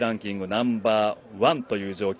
ナンバーワンという状況。